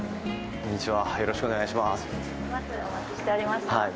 こんにちは。